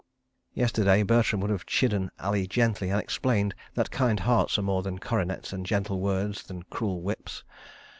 Yesterday Bertram would have chidden Ali gently, and explained that kind hearts are more than coronets and gentle words than cruel whips.